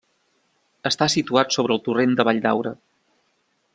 Està situat sobre el torrent de Valldaura.